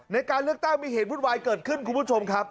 ในการเลือกตั้งมีเหตุวุ่นวายเกิดขึ้นคุณผู้ชมครับ